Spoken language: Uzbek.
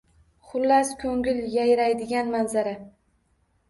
Xullas, koʻngil yayraydigan manzara